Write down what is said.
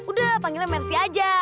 udah panggilnya mercy aja